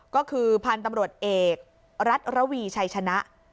ก็คือพันธุ์ตำรวจเอกรัฐระวีชัยชนะ